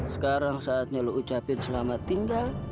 sekarang saatnya lo ucapin selamat tinggal